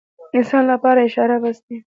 انسان لپاره اشاره بس وي.